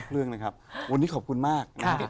เรื่องนะครับวันนี้ขอบคุณมากนะครับ